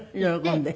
喜んで？